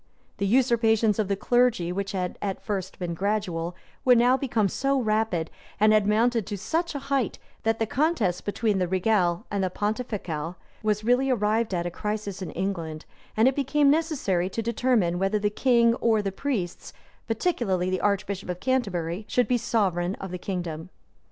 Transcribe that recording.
The usurpations of the clergy, which had at first been gradual, were now become so rapid, and had mounted to such a height, that the contest between the regale and pontificale was really arrived at a crisis in England; and it became necessary to determine whether the king or the priests, particularly the archbishop of Canterbury, should be sovereign of the kingdom.